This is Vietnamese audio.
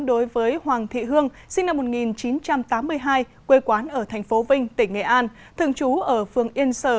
đối với hoàng thị hương sinh năm một nghìn chín trăm tám mươi hai quê quán ở tp vinh tỉnh nghệ an thường trú ở phường yên sở